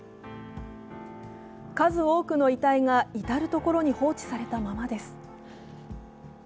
数多くの遺体が至るところで放置されたままです。